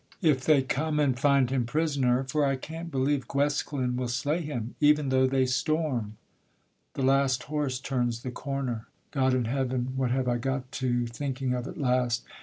If they come And find him prisoner, for I can't believe Guesclin will slay him, even though they storm. The last horse turns the corner. God in Heaven! What have I got to thinking of at last!